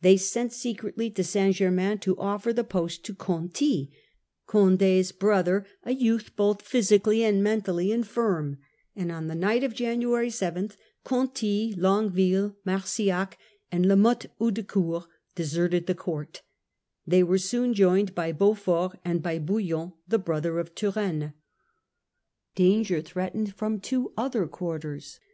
They sent secretly to St. Germain to offer the post to Conti, Condd's brother, a youth both Desertion of physically and mentally infirm ; and on the the leading 7 n ^t of January 7 Conti, Longueville, Mar nobles. sillac, and La Mothe Houdancourt deserted the court. They were soon joined by Beaufort and by Bouillon, the brother of Turenne. Danger threatened from two other quarters.